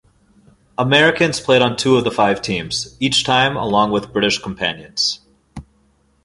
Americans played on two of the five teams, each time along with British companions.